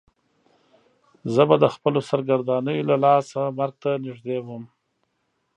زه به د خپلو سرګردانیو له لاسه مرګ ته نږدې وم.